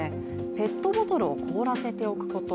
ペットボトルを凍らせておくこと。